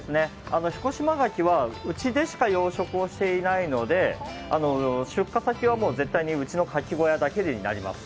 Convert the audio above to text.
彦島牡蠣は、うちでしか養殖をしていないので出荷先はもう絶対に、うちの牡蠣小屋だけになります。